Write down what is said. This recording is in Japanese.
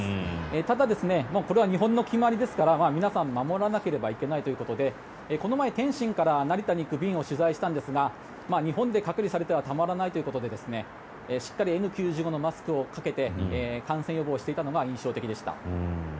ただ、これは日本の決まりですから皆さん、守らなければいけないということでこの前、天津から成田に行く便を取材したんですが日本で隔離されてはたまらないということでしっかりＮ９５のマスクをかけて感染予防をしていたのが印象的でした。